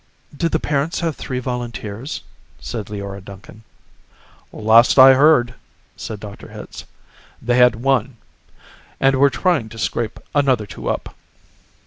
"Do the parents have three volunteers?" said Leora Duncan. "Last I heard," said Dr. Hitz, "they had one, and were trying to scrape another two up."